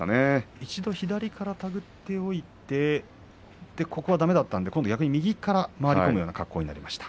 一度左から手繰っておいてだめだったので逆に右から回り込む格好になりました。